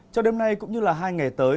trong đêm nay cũng như là hai ngày tới